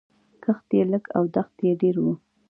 کښت یې لږ او دښت یې ډېر و